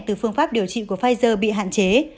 từ phương pháp điều trị của pfizer bị hạn chế